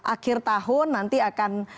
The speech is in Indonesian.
akhir tahun nanti akan